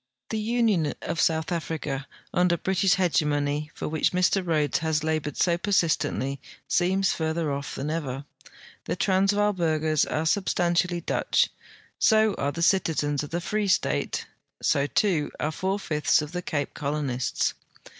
The union of South Africa under British hegemony, for which Mr Rhodes has labored so persistently, seems further off than ever. The Transvaal burghers are substantially Dutch ; so are the citizens of the Free State; so, too, are four fifths of the Cape Colonists.